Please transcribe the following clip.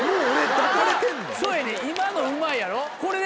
そうやねん今のうまいやろこれで